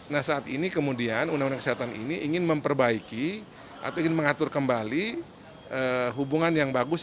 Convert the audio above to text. nah saat ini kemudian undang undang kesehatan ini ingin memperbaiki atau ingin mengatur kembali hubungan yang bagus